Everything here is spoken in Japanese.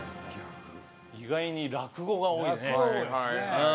意外に「落語」が多いね。